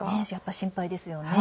心配ですよね。